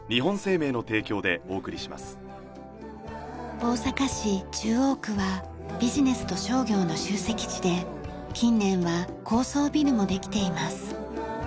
大阪市中央区はビジネスと商業の集積地で近年は高層ビルもできています。